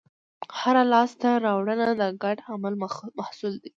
هره لاستهراوړنه د ګډ عمل محصول ده.